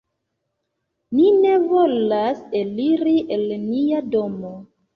Ni ne volas eliri el nia domo.